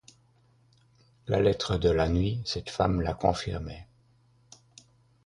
La lettre de la nuit, cette femme la confirmait.